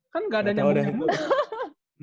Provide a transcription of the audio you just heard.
kan gak ada nyamu nyamu